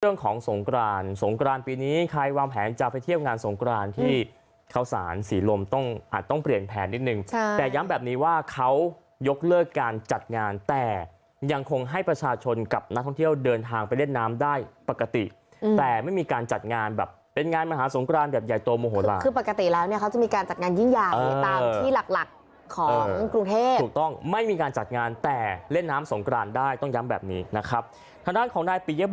เรื่องของสงกรานสงกรานปีนี้ใครวางแผนจะไปเที่ยวงานสงกรานที่เขาสารศรีลมต้องอาจต้องเปลี่ยนแผนนิดนึงแต่ย้ำแบบนี้ว่าเขายกเลิกการจัดงานแต่ยังคงให้ประชาชนกับนักท่องเที่ยวเดินทางไปเล่นน้ำได้ปกติแต่ไม่มีการจัดงานแบบเป็นงานมาหาสงกรานแบบใหญ่โตโมโหลาคือปกติแล้วเนี่ยเขาจะมีการจัดงานยิ่งอย่าง